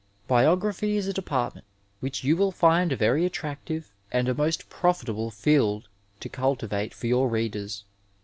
Biography is a department which you will find a very attractive and a most profitable field to cultivate for your readers.